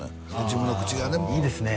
自分の口がねいいですね